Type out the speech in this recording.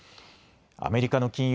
アメリカの金融